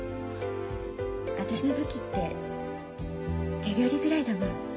私の武器って手料理ぐらいだもん。